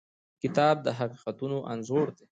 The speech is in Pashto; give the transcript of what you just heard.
کتاب د حقیقتونو انځور دی.